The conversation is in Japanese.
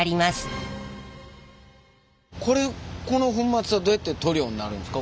この粉末はどうやって塗料になるんですか？